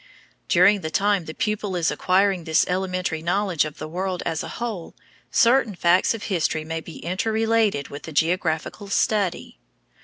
During the time the pupil is acquiring this elementary knowledge of the world as a whole, certain facts of history may be interrelated with the geographical study.